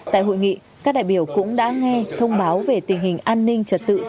tại hội nghị các đại biểu cũng đã nghe thông báo về tình hình an ninh trật tự